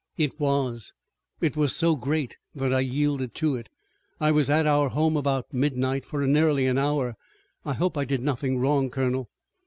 "It was. It was so great that I yielded to it. I was at our home about midnight for nearly an hour. I hope I did nothing wrong, colonel."